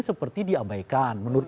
seperti diabaikan menurut